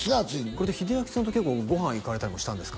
これで英明さんと結構ご飯行かれたりもしたんですか？